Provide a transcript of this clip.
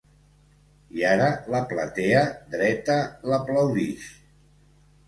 I ara la platea dreta l’aplaudix.